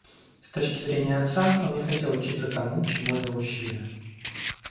С точки зрения отца, он не хотел учиться тому, чему его учили.